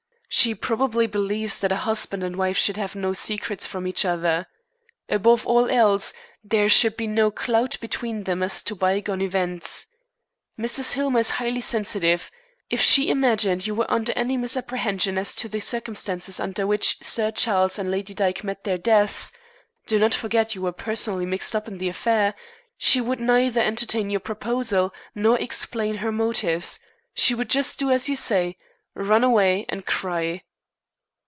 She probably believes that a husband and wife should have no secrets from each other. Above all else, there should be no cloud between them as to bygone events. Mrs. Hillmer is highly sensitive. If she imagined you were under any misapprehension as to the circumstances under which Sir Charles and Lady Dyke met their deaths do not forget that you were personally mixed up in the affair she would neither entertain your proposal nor explain her motives. She would just do as you say run away and cry."